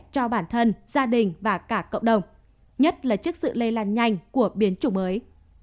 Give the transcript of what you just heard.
cho bản thân gia đình và cả cộng đồng nhất là trước sự lây lan nhanh của biến chủng mới